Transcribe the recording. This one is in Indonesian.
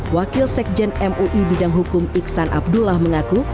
wakil sekjen mui bidang hukum iksan abdullah mengaku